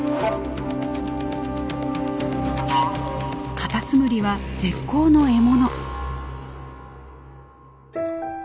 カタツムリは絶好の獲物。